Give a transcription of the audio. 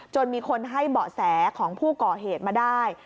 มีคนให้เบาะแสของผู้ก่อเหตุมาได้